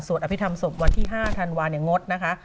สวดอภิษฐรรมศพวันที่๕ธันวาคมงดนะคะ